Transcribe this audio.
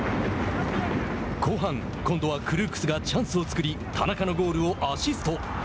後半、今度はクルークスがチャンスを作り田中のゴールをアシスト。